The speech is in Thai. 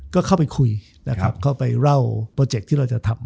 ก็เข้าไปคุยนะครับเข้าไปเล่าโปรเจคที่เราจะทำ